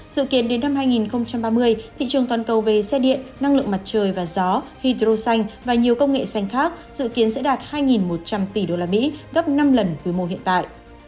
dự kiến đến năm hai nghìn ba mươi thị trường toàn cầu về xe điện năng lượng mặt trời và gió hydro xanh và nhiều công nghệ xanh khác dự kiến sẽ đạt hai một trăm linh tỷ usd gấp năm lần quy mô hiện tại